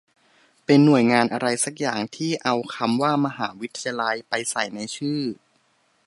เป็นหน่วยงานอะไรสักอย่างที่เอาคำว่า "มหาวิทยาลัย" ไปใส่ในชื่อ